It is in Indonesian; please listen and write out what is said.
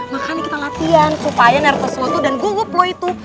makanya kita latihan supaya nerfes lo itu dan gugup lo itu